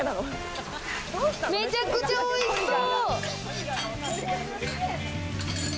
めちゃくちゃおいしそう！